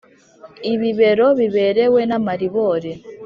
ibibero biberewe n’amaribori